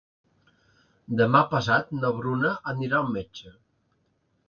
Demà passat na Bruna anirà al metge.